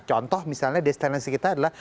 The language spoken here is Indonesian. contoh misalnya destinensi kita adalah